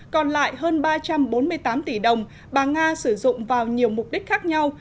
còn lại hơn ba trăm bốn mươi tám tỷ đồng bà nga sử dụng vào nhiều mục đích khác nhau